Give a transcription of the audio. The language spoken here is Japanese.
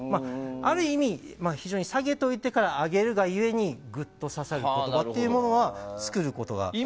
ある意味非常に下げておいてから上げるだけにグッと刺さる言葉というものは作ることができる。